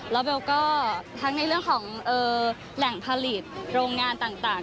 แล้วเบลก็ทั้งในเรื่องของแหล่งผลิตโรงงานต่าง